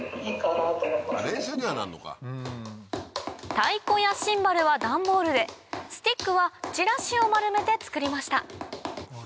太鼓やシンバルはダンボールでスティックはチラシを丸めて作りました